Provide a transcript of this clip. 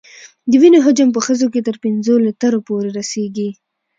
د وینې حجم په ښځو کې تر پنځو لیترو پورې رسېږي.